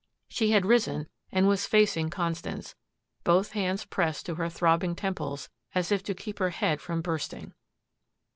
She had risen and was facing Constance, both hands pressed to her throbbing temples as if to keep her head from bursting.